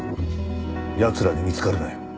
やつらに見つかるなよ。